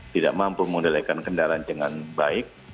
tidak mampu mengendalikan kendaraan dengan baik